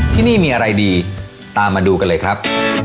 ที่นี่มีอะไรดีตามมาดูกันเลยครับ